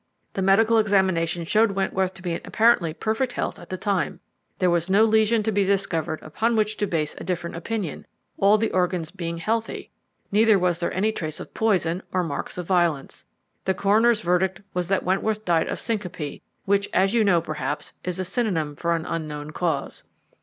The medical examination showed Wentworth to be in apparently perfect health at the time. There was no lesion to be discovered upon which to base a different opinion, all the organs being healthy. Neither was there any trace of poison, nor marks of violence. The coroner's verdict was that Wentworth died of syncope, which, as you know perhaps, is a synonym for an unknown cause.